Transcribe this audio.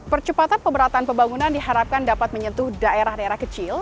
percepatan pemerataan pembangunan diharapkan dapat menyentuh daerah daerah kecil